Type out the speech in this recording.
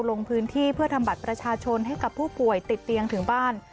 ลงพื้นที่เพื่อทำบัตรประชาชนให้กับผู้ป่วยติดเตียงถึงบ้าน